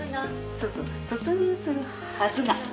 そうそう「突入するはずが」。